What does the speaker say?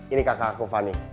ini kakak aku fanny